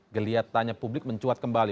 geliat tanya publik mencuat kembali